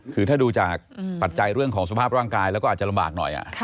คือถ้าดูจากปัจจัยเรื่องของสภาพร่างกายแล้วก็อาจจะลำบากหน่อย